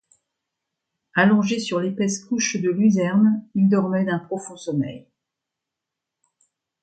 Allongés sur l’épaisse couche de luzerne, ils dormaient d’un profond sommeil.